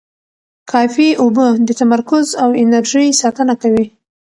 کافي اوبه د تمرکز او انرژۍ ساتنه کوي.